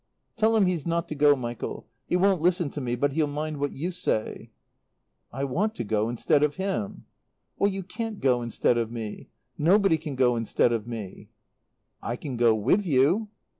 "Tell him he's not to go, Michael. He won't listen to me, but he'll mind what you say." "I want to go instead of him." "You can't go instead of me. Nobody can go instead of me." "I can go with you."